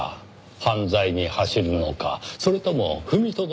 犯罪に走るのかそれとも踏みとどまるのか。